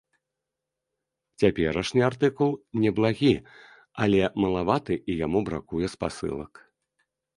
Цяперашні артыкул неблагі, але малаваты і яму бракуе спасылак.